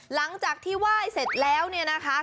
หลังจากที่ไหว้เสร็จแล้วเนี่ยนะคะ